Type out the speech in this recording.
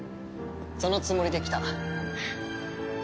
そのつもりで来た。